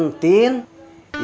idan beliin takjil